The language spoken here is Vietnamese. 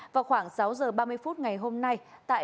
vào khoảng sáu giờ ba mươi phút ngày hôm nay tại